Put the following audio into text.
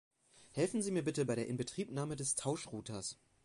Helfen Sie mir bitte bei der Inbetriebnahme des Tauschrouters.